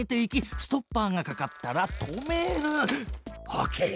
オッケー！